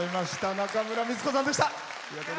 中村美律子さんでした。